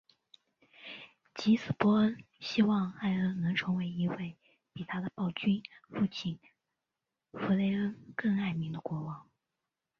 藉此波恩希望艾恩能成为一位比他的暴君父亲弗雷恩更爱民的国王。